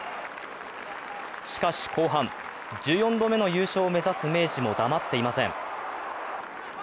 しかし後半、１４度目の優勝を目指す明治も黙っていません。